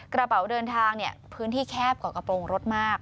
กระเป๋าเดินทางพื้นที่แคบกว่ากระโปรงรถมาก